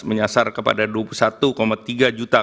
menyasar kepada dua puluh satu tiga juta